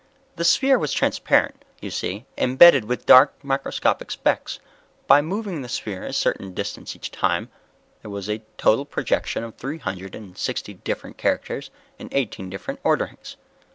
The sphere was transparent, you see, imbedded with dark microscopic specks. By moving the sphere a certain distance each time, there was a total projection of three hundred and sixty different characters in eighteen different orderings.